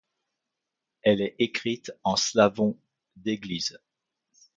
Elle est écrite en slavon d'église.